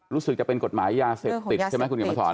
รู้สึกจะเป็นกฎหมายยาเสพติดใช่ไหมคุณเขียนมาสอน